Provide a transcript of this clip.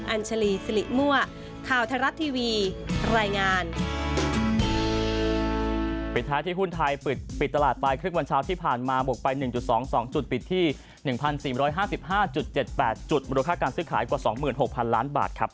อัญชลีสิริมั่วข่าวทรัศน์ทีวีรายงาน